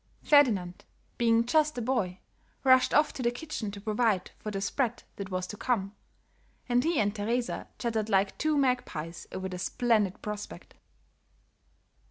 Ferdinand, being just a boy, rushed off to the kitchen to provide for the "spread" that was to come, and he and Teresa chattered like two magpies over the splendid prospect.